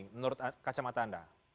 menurut kacamata anda